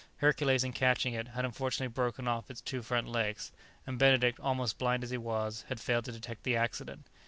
Hercules, in catching it, had unfortunately broken off its two front legs, and Benedict, almost blind as he was, had failed to detect the accident.